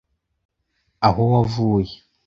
‘Aho Wavuye’